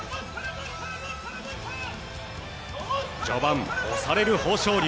序盤、押される豊昇龍。